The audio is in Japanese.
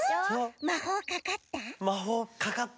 まほうかかった？